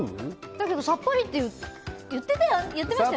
だけどさっぱりって言ってましたよね。